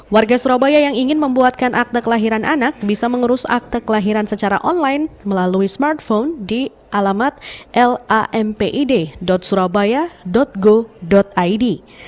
warga surabaya yang ingin membuatkan akte kelahiran anak bisa mengurus akte kelahiran secara online melalui smartphone di alamat lampid surabaya go id